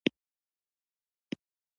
پنځه کاله مخکې لاړی اوس هم ژاړم چی ولې